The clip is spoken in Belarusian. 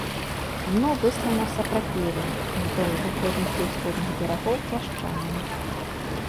Дно выслана сапрапелем, уздоўж заходніх і ўсходніх берагоў пясчанае.